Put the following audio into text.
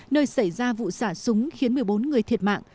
nơi xảy ra vụ xả súng khiến một mươi bốn người thiệt mạng